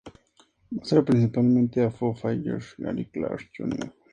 Muestra principalmente a Foo Fighters y a Gary Clark Jr.